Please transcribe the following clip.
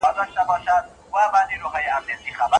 آیا همکاري تر رقابت ښه پایله لري؟